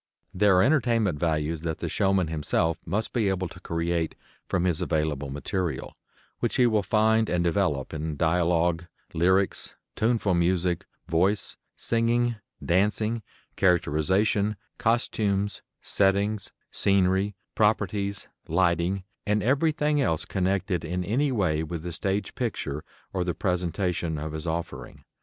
There are entertainment values that the showman himself must be able to create from his available material, which he will find and develop in dialogue, lyrics, tuneful music, voice, singing, dancing, characterization, costumes, settings, scenery, properties, lighting, and everything else connected in any way with the stage picture or the presentation of his offering.